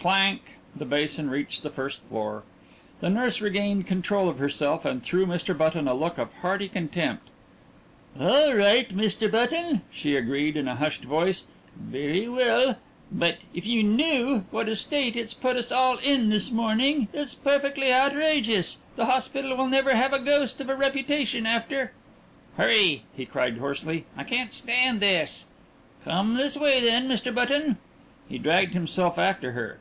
Clank! The basin reached the first floor. The nurse regained control of herself, and threw Mr. Button a look of hearty contempt. "All right, Mr. Button," she agreed in a hushed voice. "Very well! But if you knew what a state it's put us all in this morning! It's perfectly outrageous! The hospital will never have a ghost of a reputation after " "Hurry!" he cried hoarsely. "I can't stand this!" "Come this way, then, Mr. Button." He dragged himself after her.